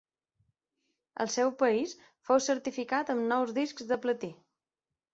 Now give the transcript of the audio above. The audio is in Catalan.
Al seu país fou certificat amb nou discs de platí.